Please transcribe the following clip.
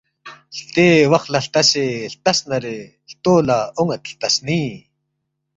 ہلتے وخلا ہلتاسے ہلتسنارے ہلتو لا اونید ہلتاسنی